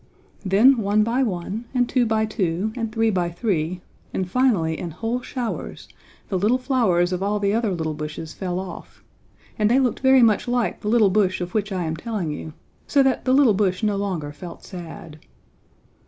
Then one by one, and two by two, and three by three, and finally in whole showers, the little flowers of all the other little bushes fell off, and they looked very much like the little bush of which I am telling you, so that the little bush no longer felt sad.